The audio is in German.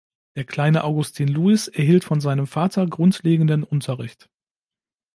Der kleine Augustin-Louis erhielt von seinem Vater grundlegenden Unterricht.